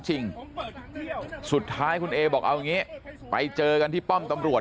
จริงสุดท้ายคุณเอบอกเอาอย่างนี้ไปเจอกันที่ป้อมตำรวจ